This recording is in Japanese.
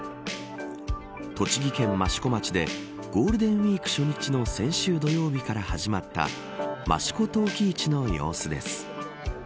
栃木県益子町でゴールデンウイーク初日の先週土曜日から始まった益子陶器市の様子です。